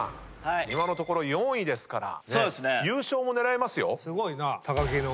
今のところ４位ですから優勝も狙えますよ。